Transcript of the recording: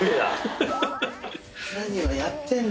何をやってんだ。